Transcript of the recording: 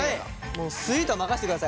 もうスイートは任せてください。